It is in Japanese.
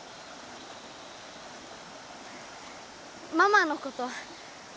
ママのこと。